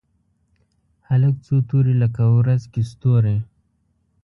هلک څو توري لکه ورځ کې ستوري